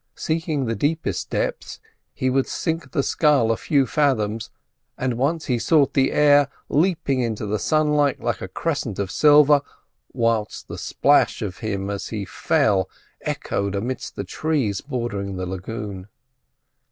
Seeking the deepest depths, he would sink the scull a few fathoms; and once he sought the air, leaping into the sunlight like a crescent of silver, whilst the splash of him as he fell echoed amidst the trees bordering the lagoon.